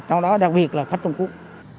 trong đó đặc biệt là khách trong quốc